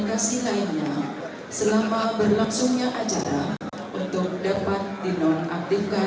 marilah kita berseru indonesia bersah